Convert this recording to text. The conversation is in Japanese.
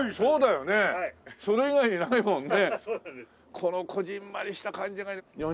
このこぢんまりした感じがいいね。